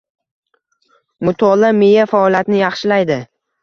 Mutolaa miya faoliyatini yaxshilaydi.